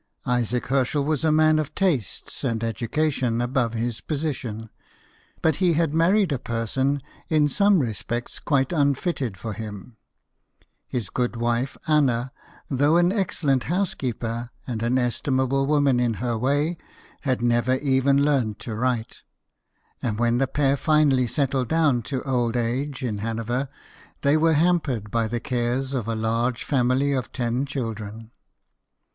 Isaac Herschel was a man of tastes and education above his position ; but he had married a person in some respects quite unfitted for him. His good wife, Anna, though an excellent house keeper and an estimable woman in her way, had never even learned to write ; and when the pair finally settled down to old age in Hanover, they were hampered by the cares of a large family of ten children.